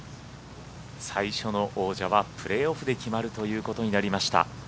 最初の王者はプレーオフで決まるということになりました。